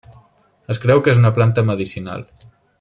Es creu que és una planta medicinal.